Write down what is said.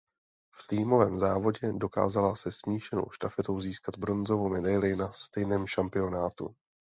V týmovém závodě dokázala se smíšenou štafetou získat bronzovou medaili na stejném šampionátu.